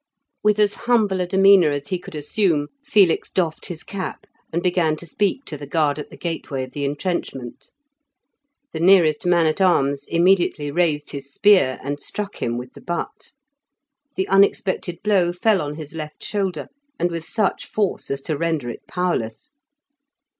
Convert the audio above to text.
With as humble a demeanour as he could assume, Felix doffed his cap and began to speak to the guard at the gateway of the entrenchment. The nearest man at arms immediately raised his spear and struck him with the butt. The unexpected blow fell on his left shoulder, and with such force as to render it powerless.